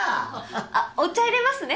あっお茶入れますね。